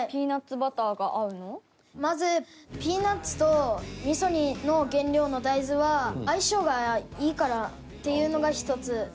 まずピーナッツと味噌の原料の大豆は相性がいいからっていうのが一つです。